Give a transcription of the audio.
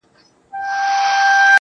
ساقي پر ملا را خمه سه پر ملا در مات دی~